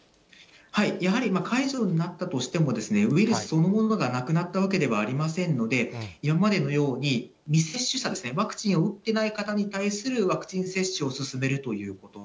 やはり解除になったとしても、ウイルスそのものがなくなったわけではありませんので、今までのように未接種者ですね、ワクチンを打っていない方に対するワクチン接種を進めるということ。